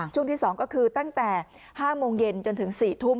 ช่วงที่๒ก็คือตั้งแต่๕โมงเย็นจนถึง๔ทุ่ม